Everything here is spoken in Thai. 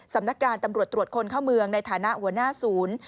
สำนักการตำรวจตรวจคนเข้าเมืองในฐานะหัวหน้าศูนย์